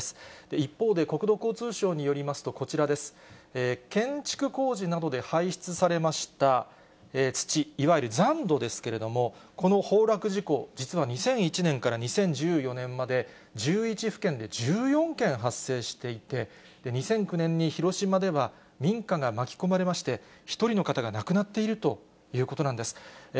一方で、国土交通省によりますと、こちらです、建築工事などで排出されました土、いわゆる残土ですけれども、この崩落事故、実は２００１年から２０１４年まで、１１府県で１４件発生していて、２００９年に広島では民家が巻き込まれまして、１人の方が亡くなっているということなんです。